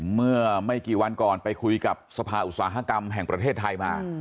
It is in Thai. เมื่อไม่กี่วันก่อนไปคุยกับสภาอุตสาหกรรมแห่งประเทศไทยมา